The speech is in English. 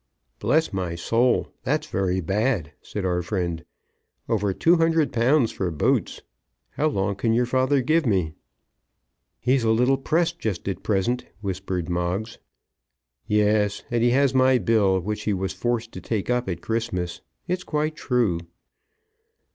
"Bless my soul! that's very bad," said our friend. "Over two hundred pounds for boots! How long can your father give me?" "He's a little pressed just at present," whispered Moggs. "Yes; and he has my bill, which he was forced to take up at Christmas. It's quite true."